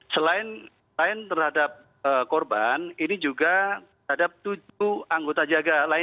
selain terhadap korban ini juga terhadap tujuh anggota jaga